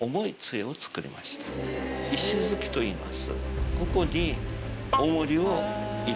石突といいます。